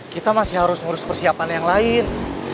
kita masih harus ngurus persiapan yang lain